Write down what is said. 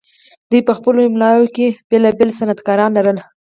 دوی په خپلو املاکو کې بیلابیل صنعتکاران لرل.